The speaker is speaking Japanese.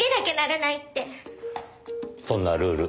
そんなルール